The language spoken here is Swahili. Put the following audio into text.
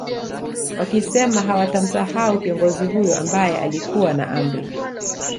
Wakisema hawatamsahau kiongozi huyo ambae alikuwa na Amri